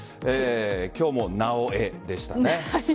今日もなおエでしたね。